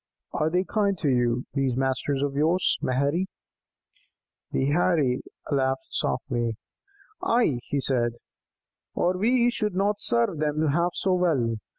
'" "Are they kind to you, these masters of yours, Maherry?" The Heirie laughed softly. "Ay," he said, "or we should not serve them half so well.